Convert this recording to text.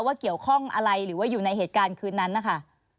เกี่ยวข้องอะไรหรือว่าอยู่ในเหตุการณ์คืนนั้นนะคะ